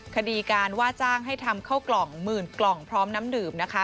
คดีการว่าจ้างให้ทำเข้ากล่องหมื่นกล่องพร้อมน้ำดื่มนะคะ